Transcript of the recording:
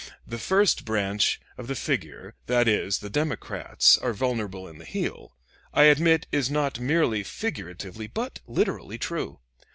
The first branch of the figure that is, the Democrats are vulnerable in the heel I admit is not merely figuratively but literally true.